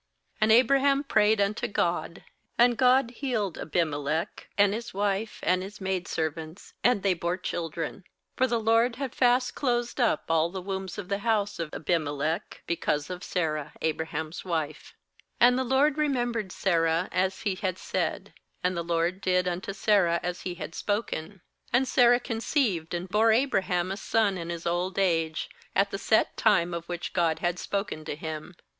17And Abraham prayed unto God; and God healed Abimelech, and his wife, and tiis maid servants; and they bore children. 18For the LORD had fast 22 GENESIS 21 26 21 closed up all the wombs of the house of Abimelech, because of Sarah Abra ham's wife. And the LORD remembered Sarah as He had said, and the LORD did unto Sarah as He had spoken. 2And" Sarah conceived, and bore Abra ham a son in his old age, at the set time of which God had spoken to him.